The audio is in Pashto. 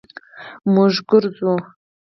مونږ ګرځو